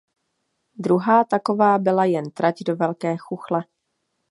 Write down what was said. Druhá taková byla jen trať do Velké Chuchle.